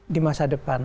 di masa depan